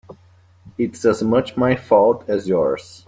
It's as much my fault as yours.